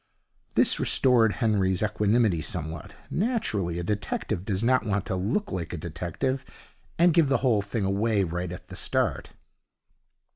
This restored Henry's equanimity somewhat. Naturally a detective does not want to look like a detective and give the whole thing away right at the start.